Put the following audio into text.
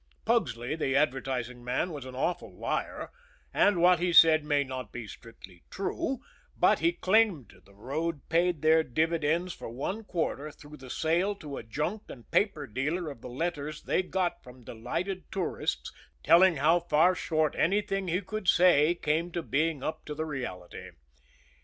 Pugsley, the advertising man, was an awful liar, and what he said may not be strictly true, but he claimed the road paid their dividends for one quarter through the sale to a junk and paper dealer of the letters they got from delighted tourists telling how far short anything he could say came to being up to the reality.